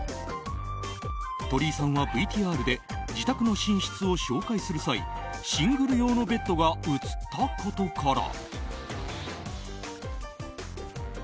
鳥居さんはＶＴＲで自宅の寝室を紹介する際シングル用のベッドが映ったことから。